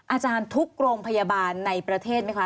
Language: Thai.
อาจารย์ทุกโรงพยาบาลในประเทศไหมคะ